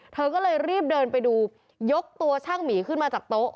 เธอก็เลยรีบเดินไปดูยกตัวช่างหมีขึ้นมาจากโต๊ะ